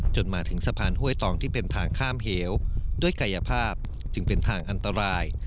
จนมาถึงสะพานห้วยตองที่เป็นทางข้ามเหวด้วยกายภาพจึงเป็นทางอันตราย